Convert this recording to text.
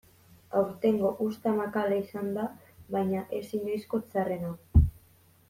Aurtengo uzta makala izan da baina ez inoizko txarrena.